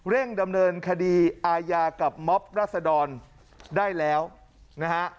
ดำเนินคดีอาญากับม็อบรัศดรได้แล้วนะฮะ